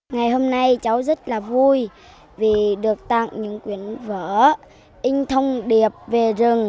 ngày hôm nay cháu rất là vui vì được tặng những quyển vỡ in thông điệp về rừng